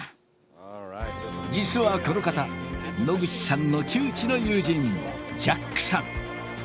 実はこの方野口さんの旧知の友人ジャックさん。